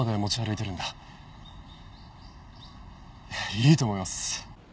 いやいいと思います。